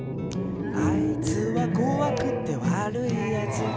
「あいつはこわくてわるいやつ」